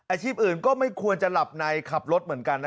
อาชีพอื่นก็ไม่ควรจะหลับในขับรถเหมือนกัน